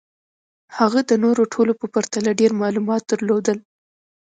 هغه د نورو ټولو په پرتله ډېر معلومات درلودل